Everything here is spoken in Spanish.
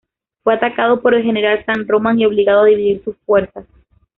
Fue atacado por el general San Román y obligado a dividir sus fuerzas.